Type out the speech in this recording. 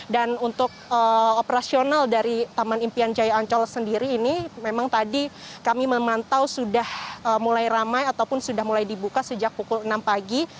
dan untuk operasional dari taman impian jaya ancol sendiri ini memang tadi kami memantau sudah mulai ramai ataupun sudah mulai dibuka sejak pukul enam pagi